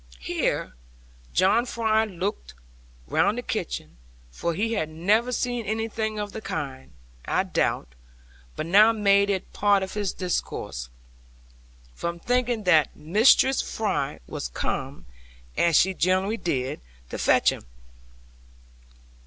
Here John Fry looked round the kitchen; for he had never said anything of the kind, I doubt; but now made it part of his discourse, from thinking that Mistress Fry was come, as she generally did, to fetch him.